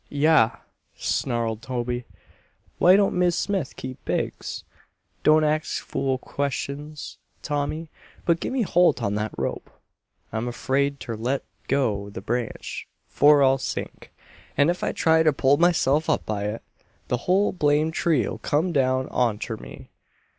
"Yah!" snarled Toby. "Why don't Miz' Smith keep pigs? Don't ax fool questions, Tommy, but gimme holt on that rope. I'm afraid ter let go the branch, for I'll sink, and if I try ter pull myself up by it, the whole blamed tree'll come down onter me.